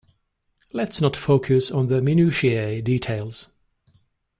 Let's not focus on the Minutiae details.